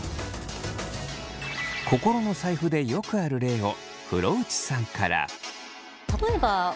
心の財布でよくある例を風呂内さんから。